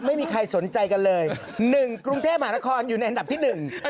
ไม่มีใครสนใจกันเลยหนึ่งกรุงเทพมหานครอยู่ในอันดับที่หนึ่ง